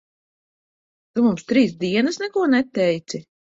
Tu mums trīs dienas neko neteici?